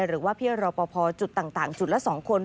หรือว่าพี่รอปภจุดต่างจุดละ๒คน